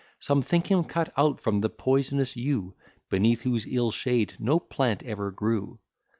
Some think him cut out from the poisonous yew, Beneath whose ill shade no plant ever grew.